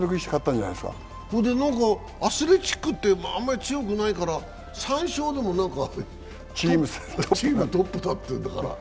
アスレチックスってあんまり強くないから、３勝でもチームトップだっていうんだから。